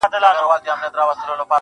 لکه خیاط چی دګریوان ترتڼی سپم اوباسی